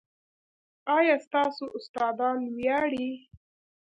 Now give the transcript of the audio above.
ایا ستاسو استادان ویاړي؟